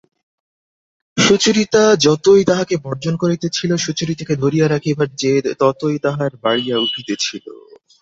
সুচরিতা যতই তাঁহাকে বর্জন করিতেছিল সুচরিতাকে ধরিয়া রাখিবার জেদ ততই তাঁহার বাড়িয়া উঠিতেছিল।